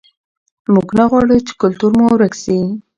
موږ نه غواړو چې کلتور مو ورک سي.